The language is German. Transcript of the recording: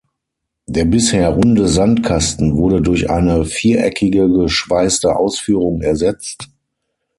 Der bisher runde Sandkasten wurde durch eine viereckige geschweißte Ausführung ersetzt.